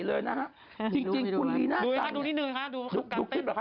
จริงคุณมีหน้าสรรค์ดูไว้ค่ะดูนิดหนึ่งค่ะ